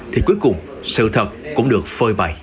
thì cuối cùng sự thật cũng được phơi bày